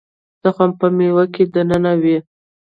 تخم په مېوه کې دننه وي